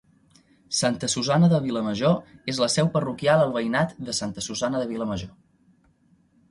Santa Susanna de Vilamajor és la seu parroquial al veïnat de Santa Susanna de Vilamajor.